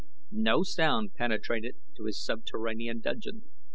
No sound penetrated to his subterranean dungeon.